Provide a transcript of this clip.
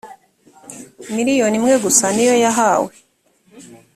miliyoni imwe gusa niyo yahawe